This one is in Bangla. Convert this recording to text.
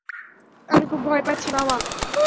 আমি খুব ভয় পাচ্ছি, মামা।